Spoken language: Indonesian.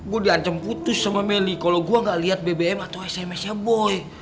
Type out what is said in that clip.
gue di ancam putus sama meli kalau gue gak liat bbm atau smsnya boy